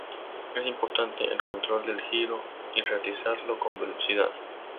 Es importante el control del giro y realizarlo con velocidad.